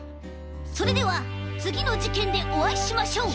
それではつぎのじけんでおあいしましょう！